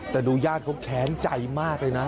แต่ดูญาติเขาแค้นใจมากเลยนะ